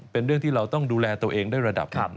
เป็นเรื่องที่เราต้องดูแลตัวเองได้ระดับหนึ่ง